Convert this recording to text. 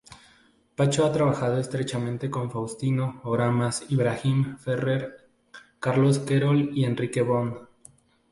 Pacho ha trabajado estrechamente con Faustino Oramas, Ibrahim Ferrer, Carlos Querol y Enrique Bonne.